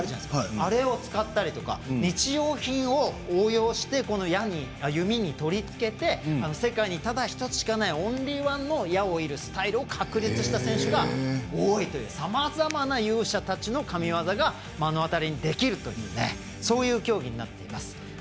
あれを使ったり日用品を応用して、弓に取り付けて世界に、ただ１つしかないオンリーワンの矢を射るスタイルを確立した選手が多いというさまざまな勇者たちの神ワザが目の当たりにできるというそういう競技になっています。